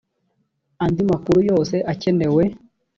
andi makuru yose akenewe